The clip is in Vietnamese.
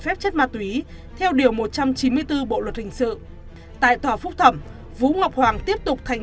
phép chất ma túy theo điều một trăm chín mươi bốn bộ luật hình sự tại tòa phúc thẩm vũ ngọc hoàng tiếp tục thành